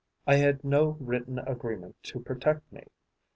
I had no written agreement to protect me.